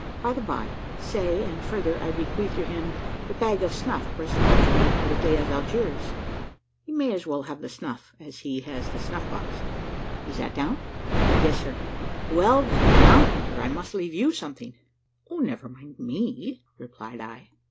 By the bye, say, and further, I bequeath to him the bag of snuff presented to me by the Dey of Algiers; he may as well have the snuff as he has the snuff box. Is that down?" "Yes, sir." "Well then, now, Peter, I must leave you something." "O, never mind me," replied I.